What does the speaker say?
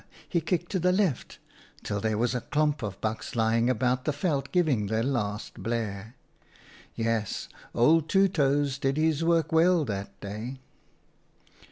— he kicked to the left — "till there was a klomp of bucks lying about the veld giving their last blare. Yes, old Two Toes did his work well that day.